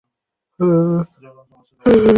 কোন ধরণের বোকা ভাবো আমাকে?